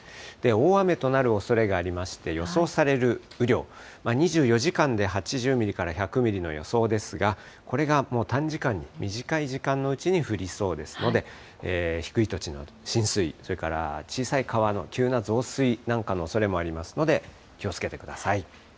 大雨となるおそれがありまして、予想される雨量、２４時間で８０ミリから１００ミリの予想ですが、これがもう短時間に短い時間のうちに降りそうですので、低い土地の浸水、それから小さい川の急な増水なんかのおそれもありますので、気をつけてください。